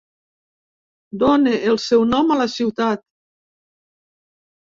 Done el seu nom a la ciutat.